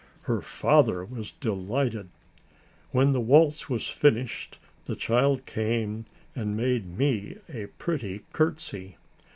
Her father was delighted. When the waltz was finished the child came and made me a pretty curtsy.